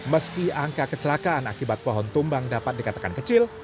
meski angka kecelakaan akibat pohon tumbang dapat dikatakan kecil